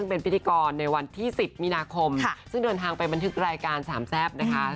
เป็นพิธีกรในวันที่๑๐มีนาคมซึ่งเดินทางไปบันทึกรายการสามแซ่บนะคะ